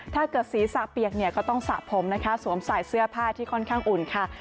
ถ้าเกิดศีรษะเปียกเนี่ยก็ต้องสระผมนะคะสวมใส่เสื้อผ้าที่ค่อนข้างอุ่นค่ะ